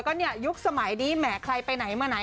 ก็เนี่ยยุคสมัยนี้แหมใครไปไหนมาไหน